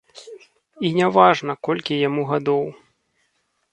І не важна, колькі яму гадоў.